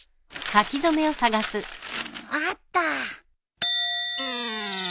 あった。